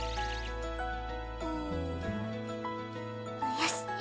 よし！